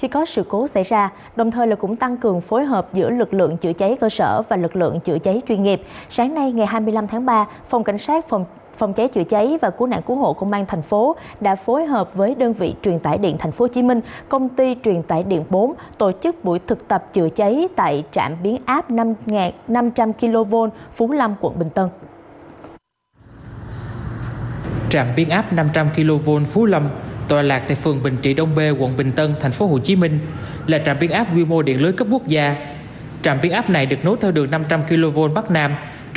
của trạm phú lâm và các lực lượng tổn xung kích phòng cháy chữa cháy của trường tải tp hcm